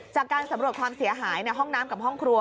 จากการสำรวจความเสียหายในห้องน้ำกับห้องครัว